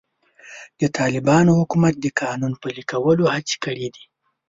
د طالبانو حکومت د قانون پلي کولو هڅې کړې دي.